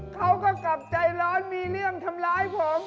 เขาก็กลับใจร้อนมีเรื่องทำร้ายผม